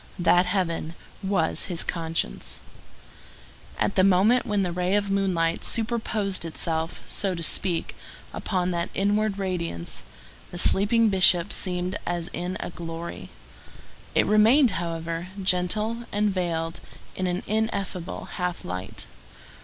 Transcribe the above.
That heaven was his conscience. [Illustration: The Fall] At the moment when the ray of moonlight superposed itself, so to speak, upon that inward radiance, the sleeping Bishop seemed as in a glory. It remained, however, gentle and veiled in an ineffable half light.